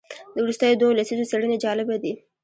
د وروستیو دوو لسیزو څېړنې جالبه دي.